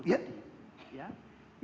itu dan itu